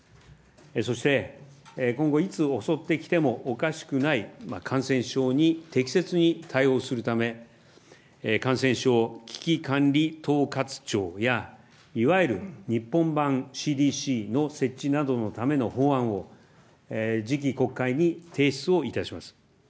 そして、今後、いつ襲ってきてもおかしくない感染症に適切に対応するため、感染症危機管理統括庁や、いわゆる日本版ＣＤＣの設置などのための法案を次期国会に提出をいたします。